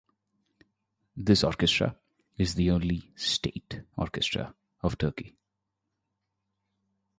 This orchestra is the only "state" orchestra of Turkey.